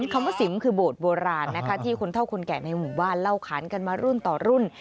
คำว่าสิมคือโบสถ์โบราณนะคะที่คนเท่าคนแก่ในหมู่บ้านเล่าขานกันมารุ่นต่อรุ่น